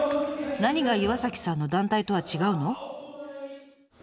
何が岩さんの団体とは違うの？